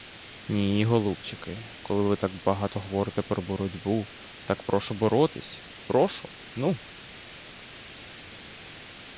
Ні, голубчики, коли ви так багато говорите про боротьбу, так прошу боротись, прошу, ну!